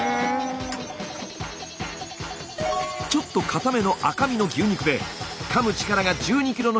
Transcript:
ちょっとかための赤身の牛肉でかむ力が１２キロの